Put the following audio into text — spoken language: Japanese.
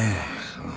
うん。